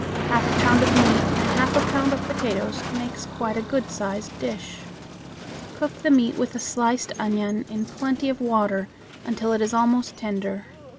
Half a pound of meat and half a pound of potatoes makes quite a good sized dish. Cook the meat with a sliced onion in plenty of water until it is almost tender.